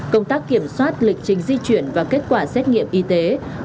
công tác kiểm soát lịch trình di chuyển và kết quả xét nghiệm y tế